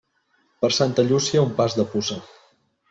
Per Santa Llúcia un pas de puça.